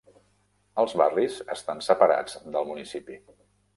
Els barris estan separats del municipi.